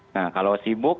nah kalau sibuk